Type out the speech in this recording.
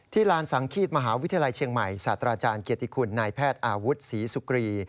ลานสังขีดมหาวิทยาลัยเชียงใหม่ศาสตราจารย์เกียรติคุณนายแพทย์อาวุธศรีสุกรี